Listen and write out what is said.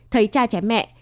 thấy cha chém mẹ